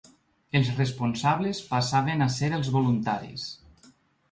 Els responsables passaven a ser els voluntaris.